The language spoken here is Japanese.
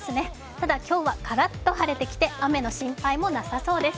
ただ、今日はカラッと晴れてきて雨の心配もなさそうです。